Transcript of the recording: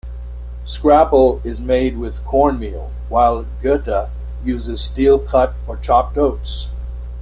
Scrapple is made with cornmeal while goetta uses steel-cut or chopped oats.